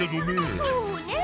そうねえ。